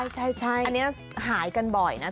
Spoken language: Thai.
ใช่อันนี้หายกันบ่อยนะ